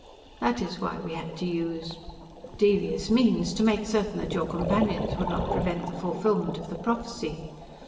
That is why we had to use ... devious means to make certain that your companions would not prevent the fulfillment of the prophesy.